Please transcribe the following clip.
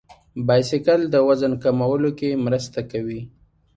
بایسکل د وزن کمولو کې مرسته کوي.